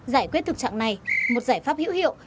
giải quyết thực trạng này một giải pháp hữu hiệu